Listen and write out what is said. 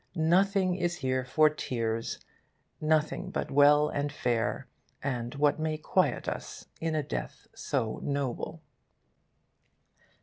'Nothing is here for tears, nothing but well and fair, and what may quiet us in a death so noble.